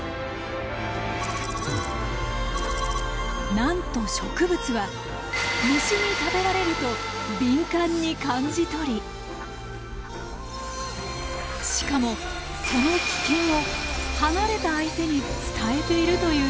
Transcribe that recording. なんと植物は虫に食べられると敏感に感じとりしかもその危険を離れた相手に伝えているというんです。